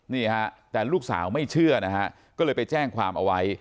นี่ฮะแต่ลูกสาวไม่เชื่อนะฮะก็เลยไปแจ้งความเอาไว้